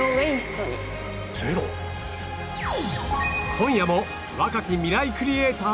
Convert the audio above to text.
今夜も若きミライクリエイター